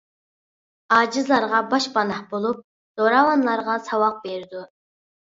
ئاجىزلارغا باشپاناھ بولۇپ، زوراۋانلارغا ساۋاق بېرىدۇ.